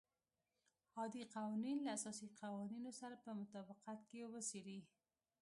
عادي قوانین له اساسي قوانینو سره په مطابقت کې وڅېړي.